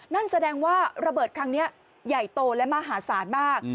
นั่นแสดงว่าระเบิดครั้งนี้ใหญ่โตและมหาศาลมาก